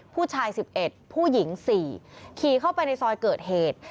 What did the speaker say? ผู้ชาย๑๑ผู้หญิง๔ขี่เข้าไปในซอยเกิดเหตุ